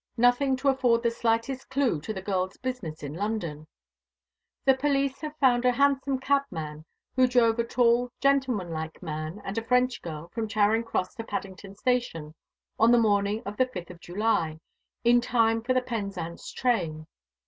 Nothing to afford the slightest clue to the girl's business in London. The police have found a hansom cabman who drove a tall, gentlemanlike man and a French girl from Charing Cross to Paddington Station on the morning of the 5th of July, in time for the Penzance train.